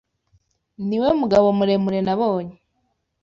Niwe mugabo muremure nabonye.